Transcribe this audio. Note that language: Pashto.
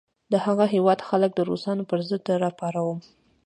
د هغه هیواد خلک د روسانو پر ضد را پاروم.